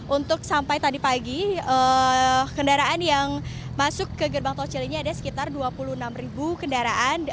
untuk sampai tadi pagi kendaraan yang masuk ke gerbang tol cilinyi ada sekitar dua puluh enam kendaraan